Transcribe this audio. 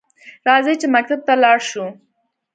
راځه چې مکتب ته لاړشوو؟